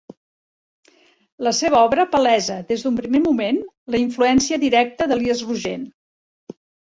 La seva obra palesa, des d'un primer moment, la influència directa d'Elies Rogent.